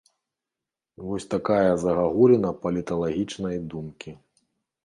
Вось такая загагуліна паліталагічнай думкі.